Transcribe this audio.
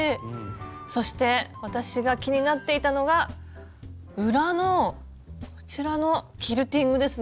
そして私が気になっていたのが裏のこちらのキルティングですね。